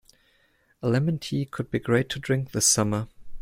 A lemon tea could be great to drink this summer.